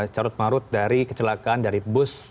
carut marut dari kecelakaan dari bus